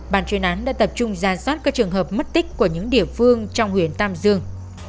bàn chuyên án đã tập trung ra soát các trường hợp mất tích của những địa phương trong huyện tam dương